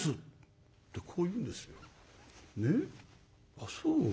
「ああそう。